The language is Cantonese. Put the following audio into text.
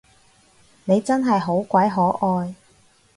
你真係好鬼可愛